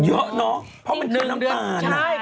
เยอะเนอะพอมันชื่อน้ำตาล